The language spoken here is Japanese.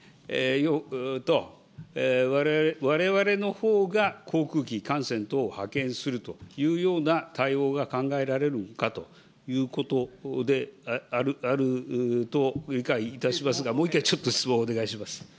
われわれのほうが航空機、艦船等を派遣するというような対応が考えられるのかということであると理解いたしますが、もう一回、ちょっと質問をお願いします。